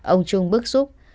ông trung bức xúc